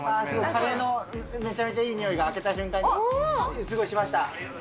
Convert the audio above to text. カレーのめちゃめちゃいい匂いが、開けた瞬間にすごいしました。